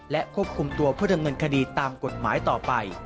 และควบคุมตัวเพื่อดำเนินคดีตามกฎหมายต่อไป